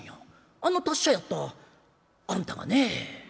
あんな達者やったあんたがね。